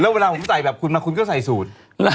แล้วเวลาผมใส่แบบคุณมาคุณก็ใส่สูตร